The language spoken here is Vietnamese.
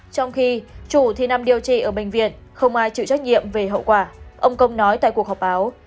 trong khi chủ thì nằm điều trị ở bệnh viện không ai chịu trách nhiệm về hậu quả ông công nói tại cuộc họp báo